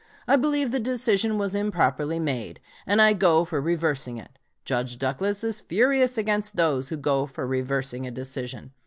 I believe the decision was improperly made, and I go for reversing it. Judge Douglas is furious against those who go for reversing a decision.